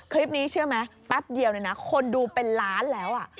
คลิปนี้เชื่อไหมแป๊บเดียวเนี่ยนะคนดูเป็นล้านแล้ว